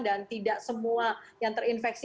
dan tidak semua yang terinfeksi